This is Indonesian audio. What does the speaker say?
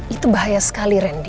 itu bahaya sekali rendy